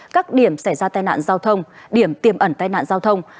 các điểm xảy ra tai nạn giao thông điểm tiềm ẩn tai nạn giao thông